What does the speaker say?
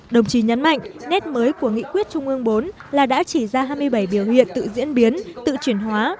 đồng chí nhấn mạnh nét mới của nghị quyết trung ương bốn là đã chỉ ra hai mươi bảy biểu hiện tự diễn biến tự chuyển hóa